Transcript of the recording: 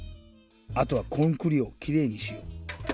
あとはコンクリをきれいにしよう。